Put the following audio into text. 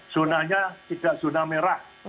zonanya tidak zona merah